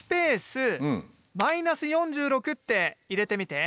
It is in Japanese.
って入れてみて。